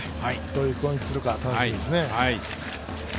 どういう攻撃をするか楽しみですね。